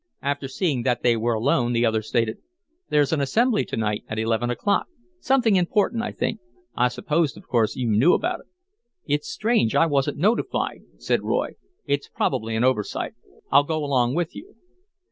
After seeing that they were alone, the other stated: "There's an assembly to night at eleven o'clock. Something important, I think. I supposed, of course, you knew about it." "It's strange I wasn't notified," said Roy. "It's probably an oversight. Ill go along with you."